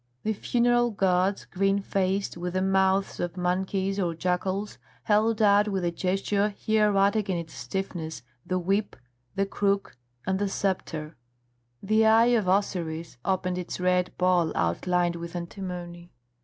The funeral gods, green faced, with the mouths of monkeys or jackals, held out with a gesture hieratic in its stiffness the whip, the crook, and the sceptre. The eye of Osiris opened its red ball outlined with antimony.